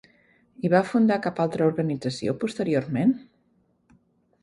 I va fundar cap altra organització posteriorment?